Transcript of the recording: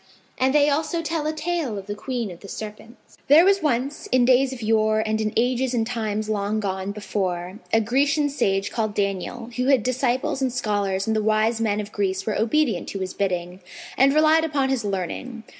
'" And they also tell a tale of THE QUEEN OF THE SERPENTS.[FN#507] There was once, in days of yore and in ages and times long gone before, a Grecian sage called Daniel, who had disciples and scholars and the wise men of Greece were obedient to his bidding and relied upon his learning.